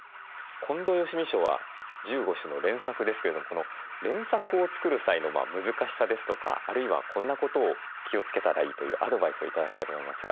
近藤芳美賞は１５首の連作ですけれどもこの連作を作る際の難しさですとかあるいはこんなことを気を付けたらいいというアドバイスを頂きたいと思いますが。